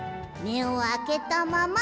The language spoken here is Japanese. めをあけたまま！？